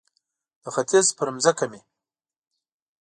د ختیځ پر مځکه مې